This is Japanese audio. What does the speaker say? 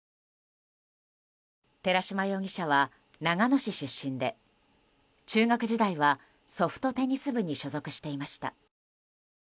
寺島容疑者は長野市出身で中学時代はソフトテニス部に所属していました。